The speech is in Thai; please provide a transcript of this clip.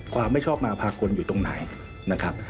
ไม่ชอบมาภากลอยู่ตรงไหนนะครับ